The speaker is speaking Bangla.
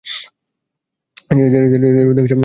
এদের অধিকাংশই মালয় এবং সুন্নি।